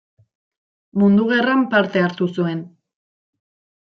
Mundu Gerran parte hartu zuen.